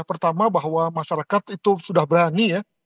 pertama bahwa masyarakat itu sudah berani ya